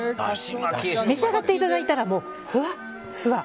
召し上がっていただいたらふわっふわ。